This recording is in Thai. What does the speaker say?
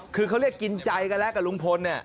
คือเขาเรียกกินใจกันแล้วกับลุงพลเนี่ย